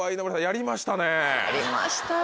やりました。